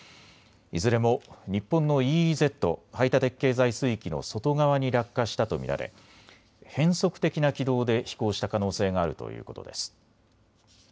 いずれも日本のＥＥＺ・排他的経済水域の外側に落下したと見られ変則的な軌道で飛行した可能性があるということです。